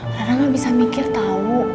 kadang gak bisa mikir tau